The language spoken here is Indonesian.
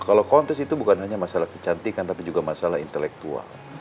kalau kontes itu bukan hanya masalah kecantikan tapi juga masalah intelektual